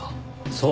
そう。